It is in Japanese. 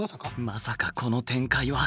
まさかこの展開は。